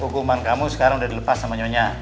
hukuman kamu sekarang udah dilepas sama nyonya